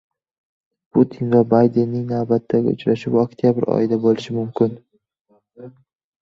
Putin va Baydenning navbatdagi uchrashuvi oktyabr oyida bo‘lishi mumkin